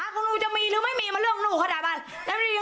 คุณปุ้ยอายุ๓๒นางความร้องไห้พูดคนเดี๋ยว